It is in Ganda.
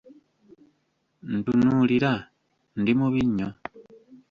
Ntunulira, ndi mubi nnyo?